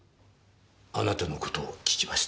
あなたの事を聞きました。